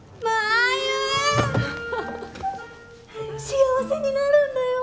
幸せになるんだよ！